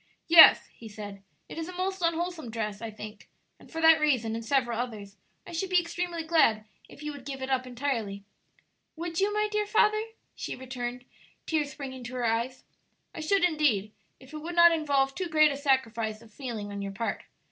"Yes," he said; "it is a most unwholesome dress, I think; and for that reason and several others I should be extremely glad if you would give it up entirely." "Would you, my dear father?" she returned, tears springing to her eyes. "I should indeed, if it would not involve too great a sacrifice of feeling on your part.